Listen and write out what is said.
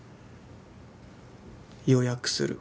「予約する」。